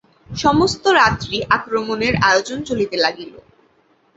সমস্ত রাত্রি আক্রমণের আয়োজন চলিতে লাগিল।